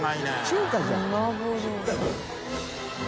中華じゃん。